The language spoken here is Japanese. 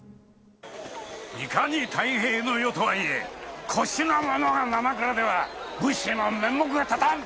いかに太平の世とはいえ腰の物がなまくらでは武士の面目が立たん！